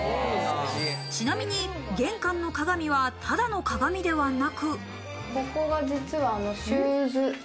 ちなみに、玄関の鏡はただの鏡ではなく。